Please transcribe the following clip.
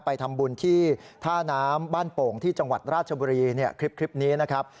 ไปทำบุญที่ท่าน้ำบ้านโป่งที่จังหวัดราชบุรีเนี่ยคลิปนี้นะครับ